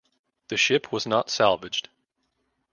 The ship was not salvaged.